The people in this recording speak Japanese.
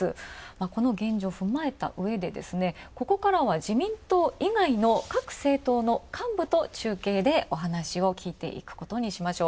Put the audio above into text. この現状踏まえたうえで、ここからは自民党以外の各政党の幹部と中継でお話を聞いていくことにしましょう。